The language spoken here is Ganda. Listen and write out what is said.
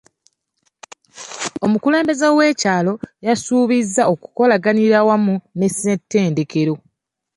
Omukulembeze w'ekyalo yasuubizza okukolaganira awamu ne ssettendekero.